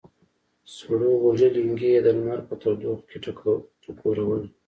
سړو وهلي لېنګي یې د لمر په تودوخه کې ټکورول.